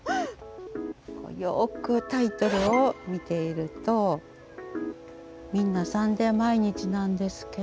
よくタイトルを見ているとみんな「サンデー毎日」なんですけども。